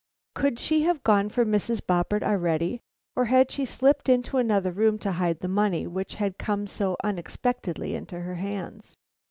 Could she have gone for Mrs. Boppert already, or had she slipped into another room to hide the money which had come so unexpectedly into her hands?